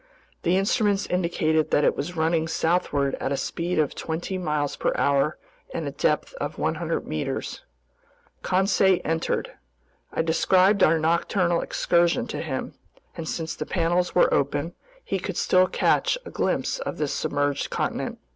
The instruments indicated that it was running southward at a speed of twenty miles per hour and a depth of 100 meters. Conseil entered. I described our nocturnal excursion to him, and since the panels were open, he could still catch a glimpse of this submerged continent.